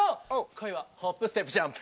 「恋はホップステップジャンプ」。